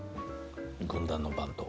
軍団の番頭。